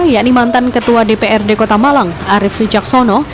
yakni mantan ketua dprd kota malang arief wijaksono